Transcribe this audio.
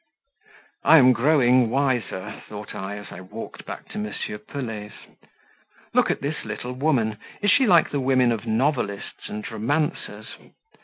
"I am growing wiser," thought I, as I walked back to M. Pelet's. "Look at this little woman; is she like the women of novelists and romancers?